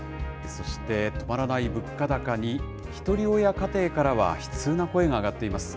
そして、止まらない物価高に、ひとり親家庭からは、悲痛な声が上がっています。